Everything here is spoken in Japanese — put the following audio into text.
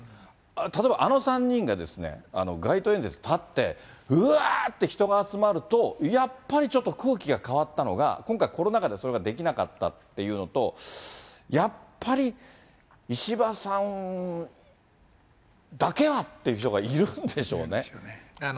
例えば、あの３人がですね、街頭演説に立って、うわーって人が集まると、やっぱりちょっと空気が変わったのが、今回、コロナ禍でそれができなかったっていうのと、やっぱり石破さんだけはっていう人がいるんでしょうね。